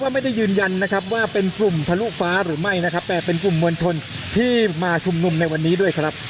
ไม่ได้ยืนยันนะครับว่าเป็นกลุ่มทะลุฟ้าหรือไม่นะครับแต่เป็นกลุ่มมวลชนที่มาชุมนุมในวันนี้ด้วยครับ